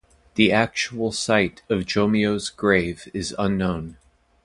The actual site of Jomei's grave is known.